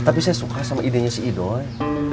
tapi saya suka sama idenya si ido ya